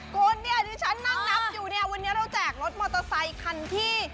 โกรธที่ฉันนั่งนับอยู่วันนี้เราแจกรถมอเตอร์ไซค์คันที่๑๑๐